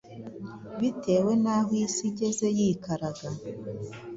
bitewe n’aho isi igeze yikaraga.